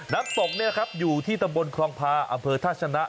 น้ำตกเนี่ยครับอยู่ที่ตำบลคลองพาอำเภอท่าชนะ